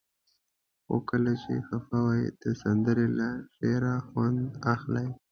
خو کله چې خفه وئ د سندرې له شعره خوند اخلئ.